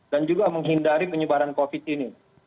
dan juga menghindari penyebaran covid ini